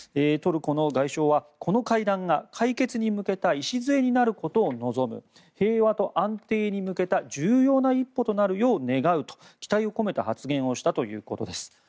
トルコの外相はこの会談が解決に向けた礎になることを望む平和と安定に向けた重要な一歩になるよう願うと期待を込めた発言をしたということです。